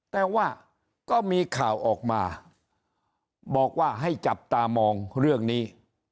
แต่ว่าก็มีข่าวออกมาบอกว่าให้จับตามองเรื่องนี้